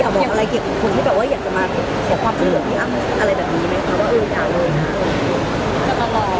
อยากบอกอะไรเกี่ยวกับคนที่บอกว่าอยากจะมาเสียความชื่นกับพี่อัพ